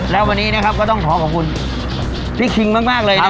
แล้ววันนี้นะครับก็ต้องขอขอบคุณพี่คิงมากเลยนะครับ